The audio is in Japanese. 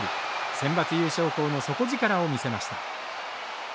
センバツ優勝校の底力を見せました。